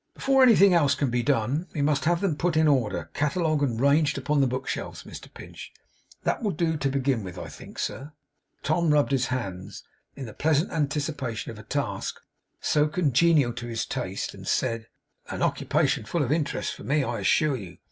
'Before anything else can be done, we must have them put in order, catalogued, and ranged upon the book shelves, Mr Pinch. That will do to begin with, I think, sir.' Tom rubbed his hands in the pleasant anticipation of a task so congenial to his taste, and said: 'An occupation full of interest for me, I assure you.